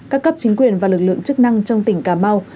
các cấp chính quyền và lực lượng chức năng trong tỉnh cà mau